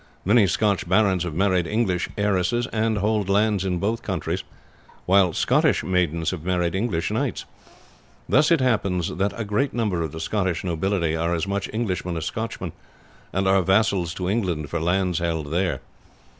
Many Scotch barons have married English heiresses, and hold lands in both countries, while Scottish maidens have married English knights. Thus it happens that a great number of the Scotch nobility are as much Englishmen as Scotchmen, and are vassals to England for lands held there.